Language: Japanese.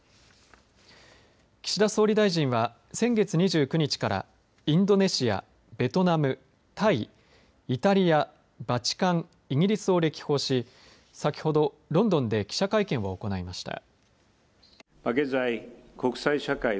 岸田総理大臣は、先月２９日から、インドネシア、ベトナム、タイ、イタリア、バチカン、イギリスを歴訪し、先ほど、ロンドンで記者会見を行いました。